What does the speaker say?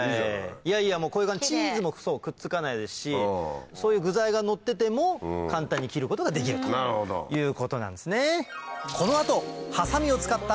こういう感じチーズもくっつかないですしそういう具材がのってても簡単に切ることができるということなんですね。